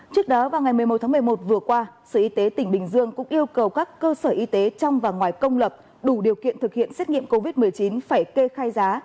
trước đó vào ngày một mươi một tháng một mươi một vừa qua sở y tế tỉnh bình dương cũng yêu cầu các cơ sở y tế trong và ngoài công lập đủ điều kiện thực hiện xét nghiệm covid một mươi chín phải kê khai giá